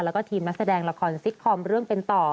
แล้วก็ทีมนักแสดงละครซิตคอมเรื่องเป็นต่อ